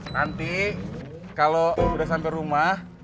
nanti kalau sudah sampai rumah